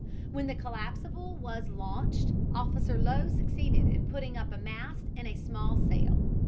When the collapsible was launched Officer Lowe succeeded in putting up a mast and a small sail.